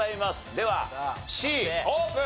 ではＣオープン！